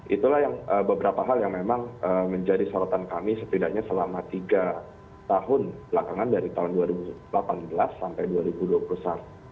itulah yang beberapa hal yang memang menjadi sorotan kami setidaknya selama tiga tahun belakangan dari tahun dua ribu delapan belas sampai dua ribu dua puluh satu